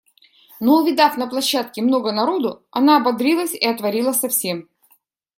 Но увидав на площадке много народу, она ободрилась и отворила совсем.